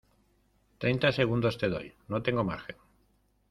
treinta segundos te doy. no tengo margen .